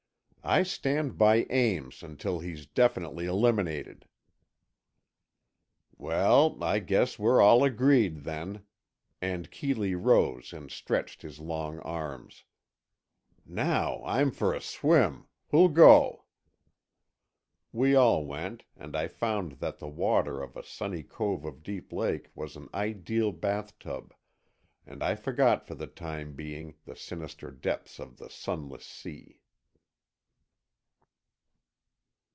"I stand by Ames until he's definitely eliminated." "Well, I guess we're all agreed, then," and Keeley rose and stretched his long arms. "Now, I'm for a swim. Who'll go?" We all went, and I found that the water of a sunny cove of Deep Lake was an ideal bathtub, and I forgot for the time being the sinister depths of the Sunless Sea.